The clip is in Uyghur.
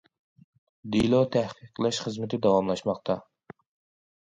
دېلو تەھقىقلەش خىزمىتى داۋاملاشماقتا.